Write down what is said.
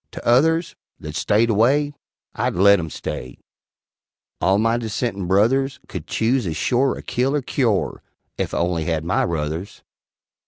T'others, That stayed away, I'd let 'em stay All my dissentin' brothers Could chuse as shore a kill er cuore, Ef I only had my ruthers.